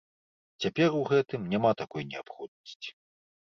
Цяпер у гэтым няма такой неабходнасці.